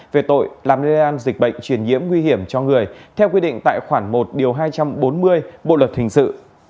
về tội làm lây lan dịch bệnh truyền nhiễm nguy hiểm cho người theo quy định tại khoản một hai trăm bốn mươi bộ luật hình sự